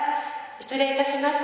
失礼いたします。